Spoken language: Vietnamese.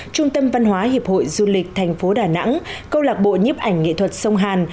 trung tâm văn hóa hiệp hội du lịch thành phố đà nẵng câu lạc bộ nhiếp ảnh nghệ thuật sông hàn